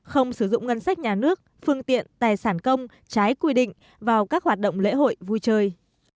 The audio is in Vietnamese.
không sử dụng ngân sách nhà nước phương tiện tài sản công trái quy định vào các hoạt động lễ hội vui chơi